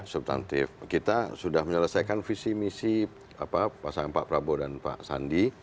subtantif kita sudah menyelesaikan visi misi pasangan pak prabowo dan pak sandi